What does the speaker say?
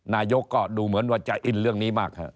นายกก็ดูเหมือนว่าจะอินเรื่องนี้มากเถอ